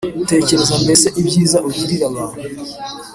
tekereza mbese ibyiza ugirira abantu: